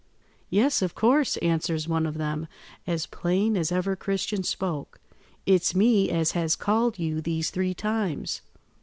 "'Yes, of course,' answers one of them, as plain as ever Christian spoke. 'It's me as has called you these three times.